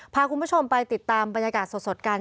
พาคุณผู้ชมไปติดตามบรรยากาศสดกัน